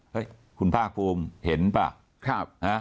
คุณภาคภูมิเห็นป่ะ